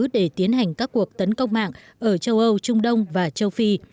để tiến hành các cuộc tấn công mạng ở châu âu trung đông và châu phi